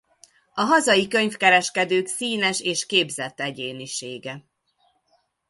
A hazai könyvkereskedők színes és képzett egyénisége.